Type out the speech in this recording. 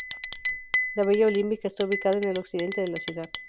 La Villa Olímpica está ubicada en el occidente de la ciudad.